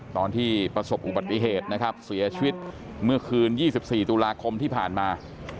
ตอนที่ประสบอุบัติเหตุนะครับเสียชีวิตเมื่อคืน๒๔ตุลาคมที่ผ่านมา